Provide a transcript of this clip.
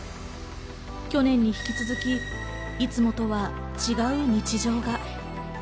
去年に引き続き、いつもとは違う日常が。